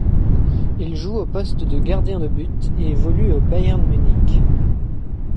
Il joue au poste de gardien de but et évolue au Bayern Munich.